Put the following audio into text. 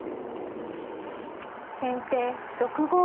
先手６五歩。